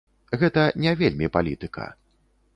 Гэта не вельмі палітыка.